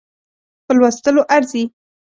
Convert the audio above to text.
په لوستلو ارزي.